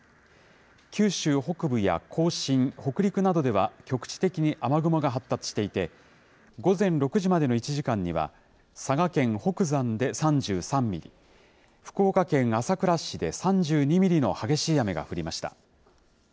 九州北部や甲信、北陸などでは局地的に雨雲が発達していて、午前６時までの１時間には、佐賀県北山で３３ミリ、福岡県朝倉市で３２ミリの激しい雨が降りました。